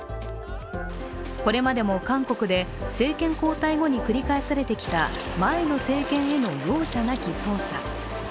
これまでも韓国で政権交代後に繰り返されてきた前の政権への容赦なき捜査。